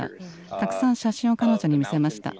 たくさん写真を彼女に見せました。